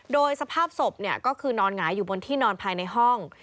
โดยสภาพศพก็คือนอนหงายอยู่บนที่นอนภายในห้อง